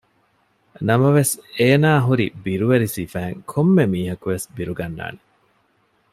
ނަމަވެސް އޭނާ ހުރި ބިރުވެރި ސިފައިން ކޮންމެ މީހަކުވެސް ބިރުގަންނާނެ